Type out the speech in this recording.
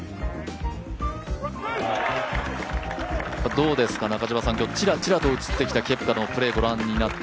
どうですかチラチラと映ってきたケプカのプレーをご覧になって。